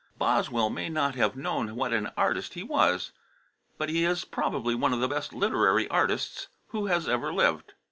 Boswell may not have known what an artist he was, but he is probably one of the best literary artists who has ever lived.